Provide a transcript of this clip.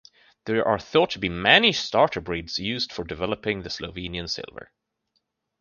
There are thought to be many starter breeds used for developing the Slovenian Silver.